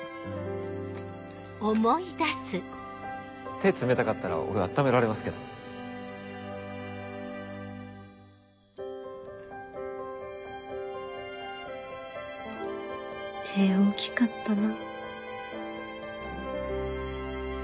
手冷たかったら俺温められますけ手大きかったな。